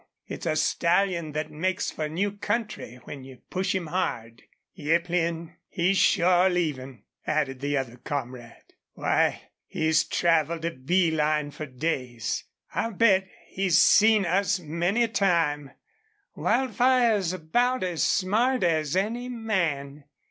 It's a stallion thet makes for new country, when you push him hard." "Yep, Lin, he's sure leavin'," added the other comrade. "Why, he's traveled a bee line for days! I'll bet he's seen us many a time. Wildfire's about as smart as any man.